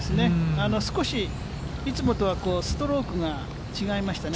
少し、いつもとはストロークが違いましたね。